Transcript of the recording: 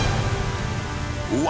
うわ！